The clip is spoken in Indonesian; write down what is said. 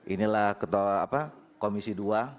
inilah ketua komisi dua